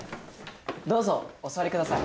どうぞお座りください。